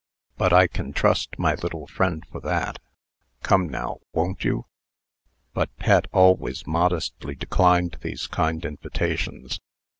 But I can trust my little friend for that. Come, now, won't you?" But Pet always modestly declined these kind invitations.